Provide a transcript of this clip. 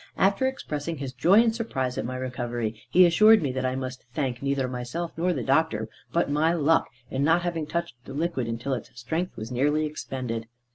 After expressing his joy and surprise at my recovery, he assured me that I must thank neither myself nor the doctor, but my luck in not having touched the liquid until its strength was nearly expended.